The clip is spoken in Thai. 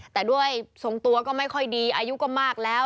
แต่ด้วยทรงตัวก็ไม่ค่อยดีอายุก็มากแล้ว